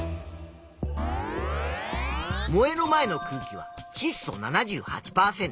燃える前の空気はちっ素７８％